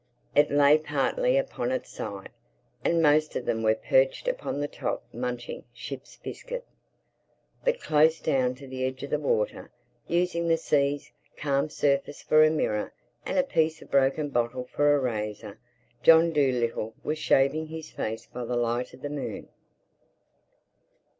It lay partly upon its side; and most of them were perched upon the top munching ship's biscuit. But close down to the edge of the water, using the sea's calm surface for a mirror and a piece of broken bottle for a razor, John Dolittle was shaving his face by the light of the moon.